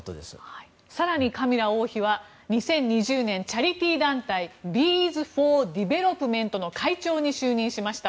更にカミラ王妃は２０２０年、チャリティー団体ビーズ・フォー・ディベロップメントの会長に就任しました。